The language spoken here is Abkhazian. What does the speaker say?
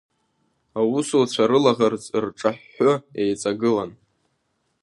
Аусуцәа рылаӷырӡ рҿаҳәҳәы еиҵагылан.